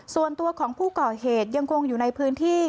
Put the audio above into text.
ส่วนตัวของผู้ก่อเหตุยังคงอยู่ในพื้นที่